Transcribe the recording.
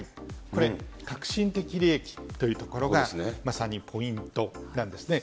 これ、核心的利益というところが、まさにポイントなんですね。